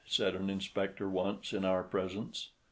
said an inspector once, in our presence.